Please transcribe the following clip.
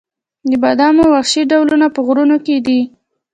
د بادامو وحشي ډولونه په غرونو کې دي؟